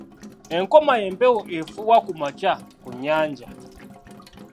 Enkoma y'empewo efuuwa ku makya ku nnyanja.